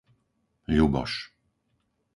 Ľuboš